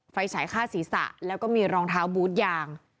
ไฟฉายฆ่าศีรษะแล้วก็มีรองเท้าบูธยาง